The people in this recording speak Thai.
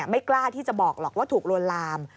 ไม่กล้าที่จะบอกหรอกว่าถูกลวนลาม